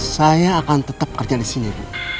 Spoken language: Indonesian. saya akan tetap kerja disini bu